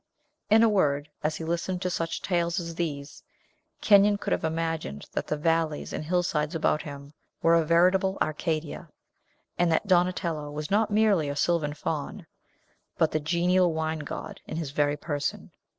In a word, as he listened to such tales as these, Kenyon could have imagined that the valleys and hillsides about him were a veritable Arcadia; and that Donatello was not merely a sylvan faun, but the genial wine god in his very person.